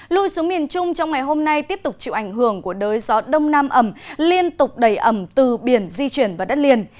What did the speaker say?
lui xuống miền trung trong ngày hôm nay tiếp tục chịu ảnh hưởng của đới gió đông nam ẩm liên tục đầy ẩm từ biển di chuyển vào đất liền